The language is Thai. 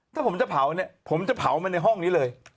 ถ้าผมจะเผาเนี่ยผมจะเผามาในห้องนี้เลย